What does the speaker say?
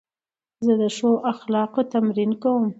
زه د ښو اخلاقو تمرین کوم.